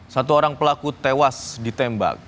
satu orang pelaku tewas ditembak